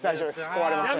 壊れません。